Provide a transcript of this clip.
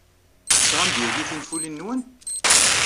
Tesɣam-d yagi tinfulin-nwen?